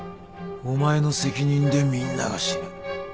お前の責任でみんなが死ぬ。